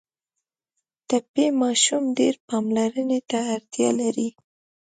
ټپي ماشوم ډېر پاملرنې ته اړتیا لري.